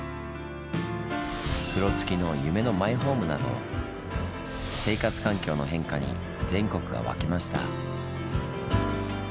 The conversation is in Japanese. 風呂つきの夢のマイホームなど生活環境の変化に全国が沸きました。